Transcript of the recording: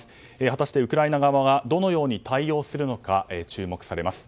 果たしてウクライナ側はどのように対応するのか注目されます。